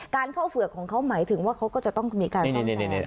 เข้าเฝือกของเขาหมายถึงว่าเขาก็จะต้องมีการซ่อมแซม